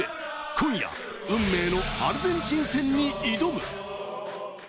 今夜、運命のアルゼンチン戦に挑む。